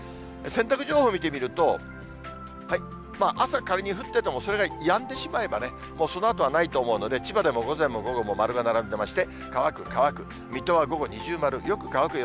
洗濯情報を見てみると、朝、仮に降ってても、それがやんでしまえばね、もうそのあとはないと思うので、千葉でも午前も午後も丸が並んでまして、乾く、乾く。